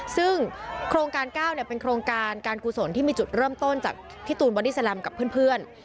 ซึ่งโครงการ๙เป็นโครงการการกุศลที่มีจุดเริ่มต้นจากพี่ตูนบอดี้แลมกับเพื่อน